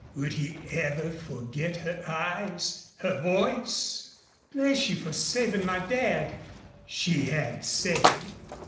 Would he ever forget her eyes her voice? "Bless you for saving my dad!" she had said.